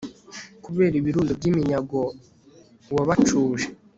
kubera ibirundo by'iminyago wabacuje